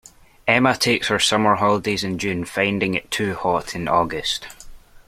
Emma takes her summer holidays in June, finding it too hot in August